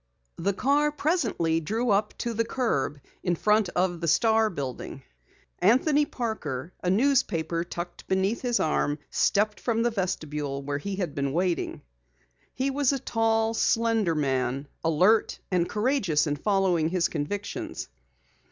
The car presently drew up at the curb in front of the Star building. Anthony Parker, a newspaper tucked beneath his arm, stepped from the vestibule where he had been waiting. He was a tall, slender man, alert and courageous in following his convictions.